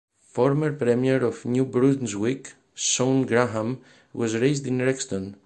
Former Premier of New Brunswick, Shawn Graham, was raised in Rexton.